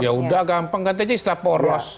ya udah gampang kan itu istilah poros